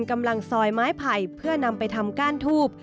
กำลังซอยไม้ไผ่เพื่อนำไปทำก้านทูบ